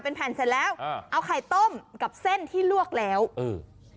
เป็นแผ่นเสร็จแล้วอ่าเอาไข่ต้มกับเส้นที่ลวกแล้วเออ